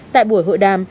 tại buổi hội đàm